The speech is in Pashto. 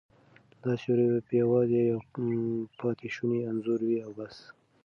دا سیوری به یوازې یو پاتې شونی انځور وي او بس.